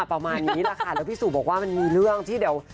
ประมาณนี้แหละค่ะแล้วพี่สู่บอกว่ามันมีเรื่องที่เดี๋ยว